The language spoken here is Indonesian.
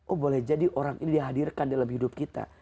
oh boleh jadi orang ini dihadirkan dalam hidup kita